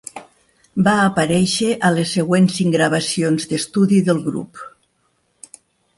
Va aparèixer a les següents cinc gravacions d'estudi del grup.